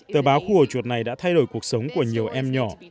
tờ báo khua chuột này đã thay đổi cuộc sống của nhiều em nhỏ